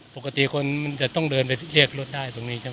ปกติคนมันจะต้องเดินไปเรียกรถได้ตรงนี้ใช่ไหม